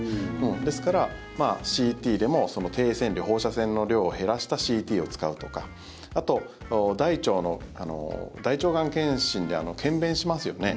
ですから、ＣＴでも低線量放射線の量を減らしたＣＴを使うとかあと、大腸の大腸がん検診で検便をしますよね。